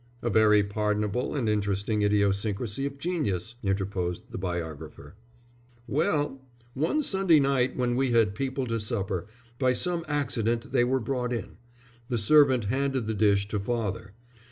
"A very pardonable and interesting idiosyncrasy of genius," interposed the biographer. "Well, one Sunday night when we had people to supper, by some accident they were brought in. The servant handed the dish to father.